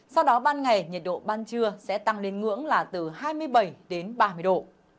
sau đó ban ngày nhiệt độ ban trưa sẽ tăng lên ngưỡng là từ hai mươi bảy đến ba mươi độ